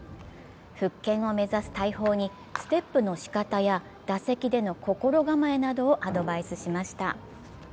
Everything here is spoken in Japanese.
復権を目指す大砲にステップのしかたや打席での心構えなどをアドバイスしました。